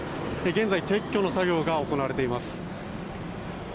現在、撤去の作業が行われています。